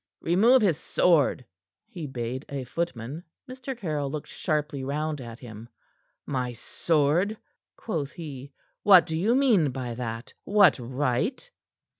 "Remove his sword," he bade a footman. Mr. Caryll looked sharply round at him. "My sword?" quoth he. "What do you mean by that? What right?"